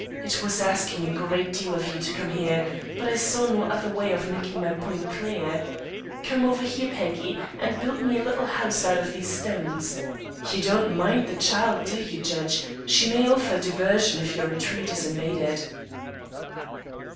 It was asking a great deal of you to come here; but I saw no other way of making my point clear. Come over here, Peggy, and build me a little house out of these stones. You don't mind the child, do you, judge? She may offer a diversion if our retreat is invaded."